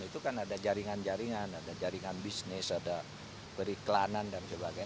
itu kan ada jaringan jaringan ada jaringan bisnis ada periklanan dan sebagainya